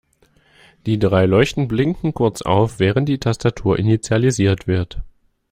Die drei Leuchten blinken kurz auf, während die Tastatur initialisiert wird.